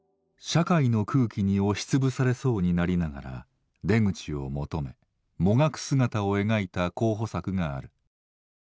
社会の空気に押し潰されそうになりながら出口を求めもがく姿を描いた候補作がある。